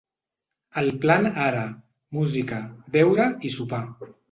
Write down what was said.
El plan ara, música, beure i sopar.